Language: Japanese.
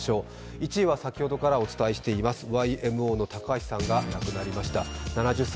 １位は先ほどからお伝えしていますＹＭＯの高橋幸宏さんが亡くなりました。